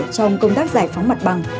trong công tác giải phóng mặt bằng